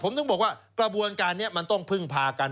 ผมถึงบอกว่ากระบวนการนี้มันต้องพึ่งพากัน